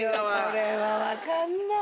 これは分かんないよ。